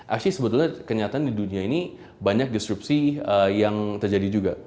actual sebetulnya kenyataan di dunia ini banyak disrupsi yang terjadi juga